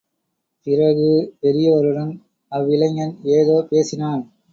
பிறகு, பெரியவருடன் அவ்விளைஞன் ஏதோ பேசினான்.